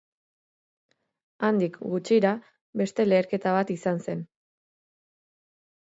Handik gutxira, beste leherketa bat izan zen.